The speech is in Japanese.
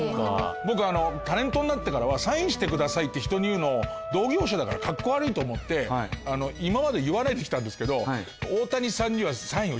僕タレントになってからは「サインしてください」って人に言うの同業者だから格好悪いと思って今まで言わないできたんですけど。